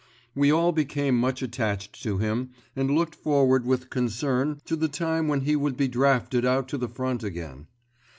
We all became much attached to him, and looked forward with concern to the time when he would be drafted out to the front again.